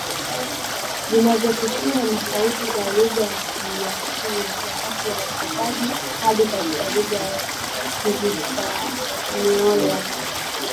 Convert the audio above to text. vinavyopitiwa na sauti za lugha ya Kiyakui wakati wa ukopaji hadi katika lugha ya Kihispaniola